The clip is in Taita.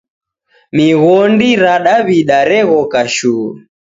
Mighodi ra dawida reghoka shuu.